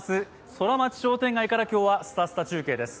ソラマチ商店街から今日は「すたすた中継」です。